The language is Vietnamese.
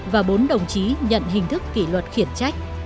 và bốn đồng chí nhận hình thức kỷ luật khiển trách